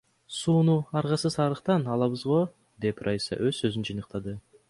Сууну аргасыз арыктан алабыз го, — деп Раиса өз сөзүн жыйынтыктады.